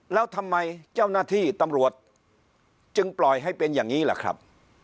แล้วทำไมเจ้าหน้าที่ตำรวจจึงปล่อยให้เป็นอย่างนี้ล่ะครับ